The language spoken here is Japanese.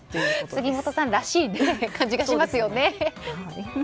杉本さんらしい感じがしますよね。